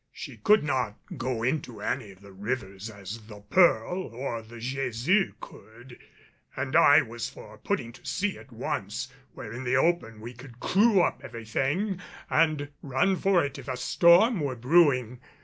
She could not go into any of the rivers as the Pearl and the Jesus could, and I was for putting to sea at once, where in the open we could clew up everything and run for it if a storm were brewing.